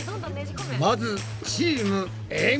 まずチームエん。